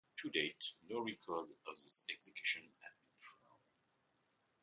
To date no records of these executions have been found.